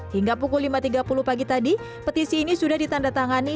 hingga pukul lima tiga puluh pagi tadi petisi ini sudah ditandatangani